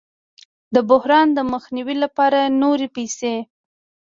د بحران د مخنیوي لپاره نورې پیسې